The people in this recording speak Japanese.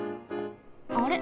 あれ？